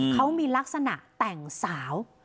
เขามีลักษณะแต่งสาว